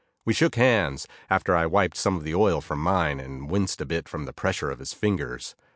We shook hands, after I had wiped some of the oil from mine, and I winced a bit from the pressure of his fingers.